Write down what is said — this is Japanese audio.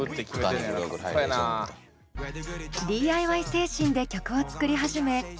ＤＩＹ精神で曲を作り始め